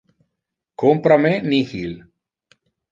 Compra me nihil!